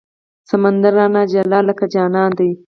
سمندر رانه جلا لکه جانان دی